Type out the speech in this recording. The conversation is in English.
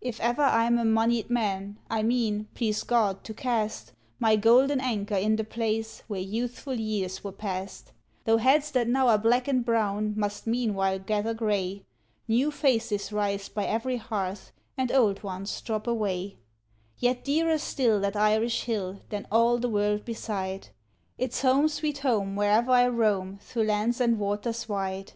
If ever I'm a money'd man, I mean, please God, to cast My golden anchor in the place where youthful years were pass'd; Though heads that now are black and brown must meanwhile gather gray, New faces rise by every hearth, and old ones drop away Yet dearer still that Irish hill than all the world beside; It's home, sweet home, where'er I roam through lands and waters wide.